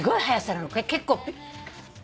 結構ピュッ。